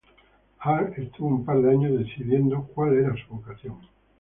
Hart estuvo un par de años decidiendo cual era su vocación.